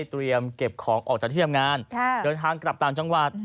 เตรียมเก็บของออกจากที่ทำงานเดินทางกลับต่างจังหวัด